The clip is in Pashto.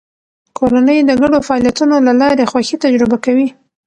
کورنۍ د ګډو فعالیتونو له لارې خوښي تجربه کوي